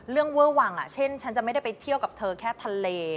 เวอร์วังเช่นฉันจะไม่ได้ไปเที่ยวกับเธอแค่ทะเล